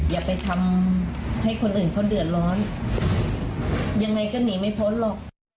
อย่าไปทำให้คนอื่นเขาเดือดร้อนยังไงก็หนีไม่พ้นหรอก